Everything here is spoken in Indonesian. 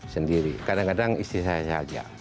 sendiri kadang kadang istilahnya saja